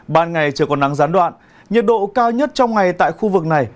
ban ngày trời còn nắng gián đoạn nhiệt độ cao nhất trong ngày tại khu vực này